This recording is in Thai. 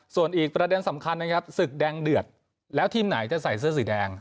ส่วนอีกประเด็นสำคัญนะครับศึกแดงเดือดแล้วทีมไหนจะใส่เสื้อสีแดง